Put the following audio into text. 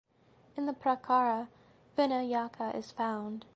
In the prakara Vinayaka is found.